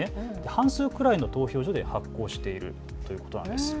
半数くらいの投票所で発行しているということです。